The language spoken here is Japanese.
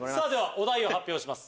お題を発表します